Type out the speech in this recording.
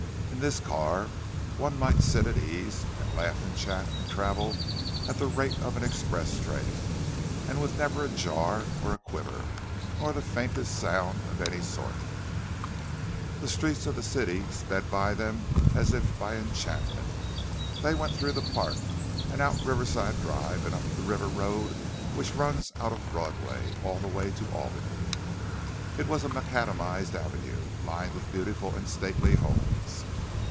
In this car one might sit at ease, and laugh and chat, and travel at the rate of an express train; and with never a jar or a quiver, nor the faintest sound of any sort. The streets of the city sped by them as if by enchantment. They went through the park, and out Riverside Drive, and up the river road which runs out of Broadway all the way to Albany. It was a macadamized avenue, lined with beautiful and stately homes.